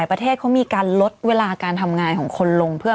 ภาคอีสานครับภาคเหนือ